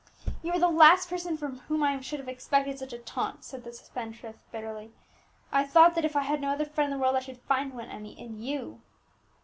"You are the last person from whom I should have expected such a taunt," said the spendthrift bitterly. "I thought that if I had no other friend in the world I should find one, Emmie, in you."